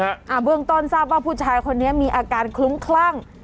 อ่าเบื้องต้นทราบว่าผู้ชายคนนี้มีอาการคลุ้มคลั่ง